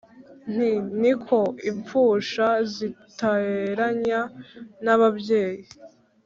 nti: ni ko impfusha ziteranya n’ababyeyi.